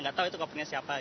nggak tahu itu kopinya siapa